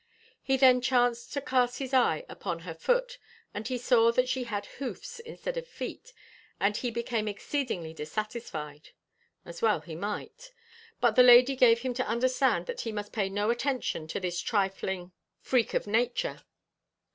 He then chanced to cast his eye upon her foot, and he saw that she had hoofs instead of feet, and he became exceedingly dissatisfied,' as well he might. But the lady gave him to understand that he must pay no attention to this trifling freak of nature.